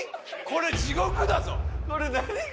これ地獄だぞ。